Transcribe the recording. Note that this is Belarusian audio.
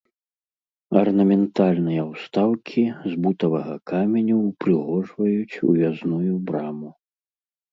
Арнаментальныя ўстаўкі з бутавага каменю ўпрыгожваюць уязную браму.